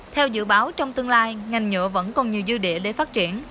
theo dự báo trong tương lai ngành nhựa vẫn còn nhiều dư địa để phát triển